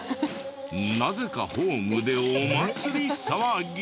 なぜかホームでお祭り騒ぎ！